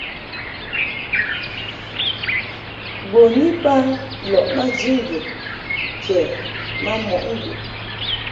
Bun iba lɔʼ maji ŋgəd kɛ ma mɔʼ ŋgəd.